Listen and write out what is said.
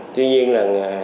tuy nhiên là